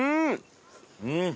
うん！